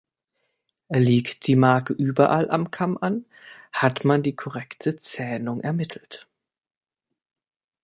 Liegt die Marke überall am Kamm an, hat man die korrekte Zähnung ermittelt.